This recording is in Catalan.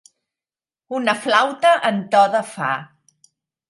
Una flauta en to de fa.